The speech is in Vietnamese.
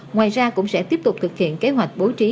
ngoài ra cũng sẽ tiếp tục thực hiện kế hoạch bố trí